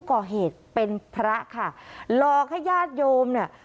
ก่อเหตุเป็นพระค่ะหลอกให้ญาติโยมเนี่ย